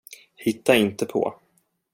Hitta inte på.